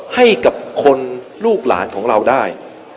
ให้กับคนลูกหลานของเราได้